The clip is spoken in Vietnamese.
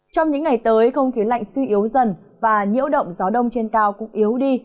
trong những ngày tới không khí lạnh suy yếu dần và nhiễu động gió đông trên cao cũng yếu đi